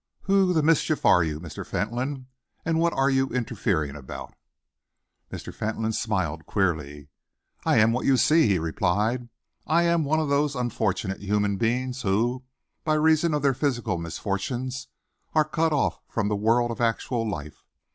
Who the mischief are you, Mr. Fentolin, and what are you interfering about?" Mr. Fentolin smiled queerly. "I am what you see," he replied. "I am one of those unfortunate human beings who, by reason of their physical misfortunes, are cut off from the world of actual life.